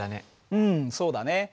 うんそうだね。